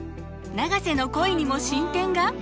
永瀬の恋にも進展が！？